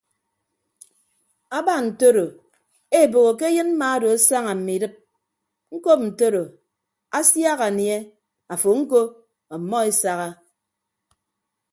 Aba ntoro eboho ke ayịn mma odo asaña mme idịp ñkọp ntodo asiak anie afo ñko ọmmọ esaha.